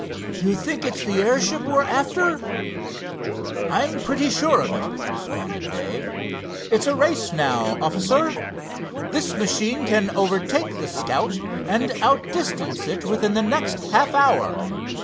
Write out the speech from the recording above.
"You think it's the airship we're after?" "I am pretty sure of it," responded Dave. "It's a race, now, officer. This machine can overtake the Scout and outdistance it within the next half hour.